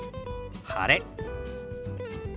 「晴れ」。